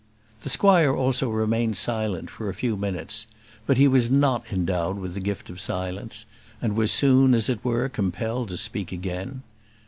The squire also remained silent for a few minutes; but he was not endowed with the gift of silence, and was soon, as it were, compelled to speak again.